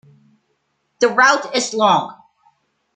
The route is long.